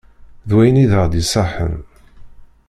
D wayen i d aɣ d-iṣaḥen.